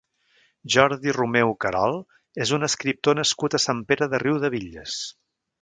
Jordi Romeu Carol és un escriptor nascut a Sant Pere de Riudebitlles.